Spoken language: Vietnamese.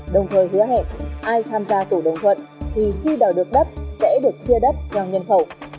đồng thời hứa hẹn ai tham gia tổ đồng thuận thì khi đòi được đất sẽ được chia đất theo nhân khẩu